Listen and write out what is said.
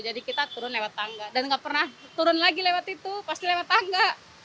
jadi kita turun lewat tangga dan nggak pernah turun lagi lewat itu pasti lewat tangga